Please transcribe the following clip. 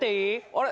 あれ？